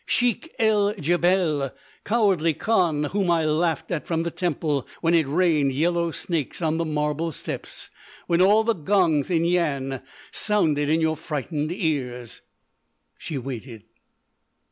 Sheik el Djebel!—cowardly Khan whom I laughed at from the temple when it rained yellow snakes on the marble steps when all the gongs in Yian sounded in your frightened ears!" She waited.